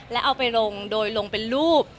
แล้วเอาไปลงโดยลงเป็นรูป